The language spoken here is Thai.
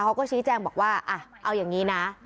เขาก็ชี้แจงบอกว่าเอาอย่างนี้นะ